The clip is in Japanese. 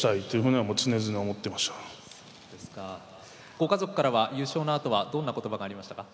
ご家族からは優勝のあとはどんな言葉がありましたか？